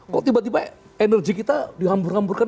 kok tiba tiba energi kita dihambur hamburkan